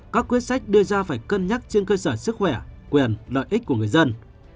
các quyết sách đưa ra phải cân nhắc trên cơ sở sức khỏe quyền lợi ích của người dân